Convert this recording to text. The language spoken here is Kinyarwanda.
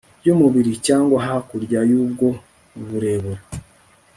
y'umubiri, cyangwa hakurya y'ubwo burebure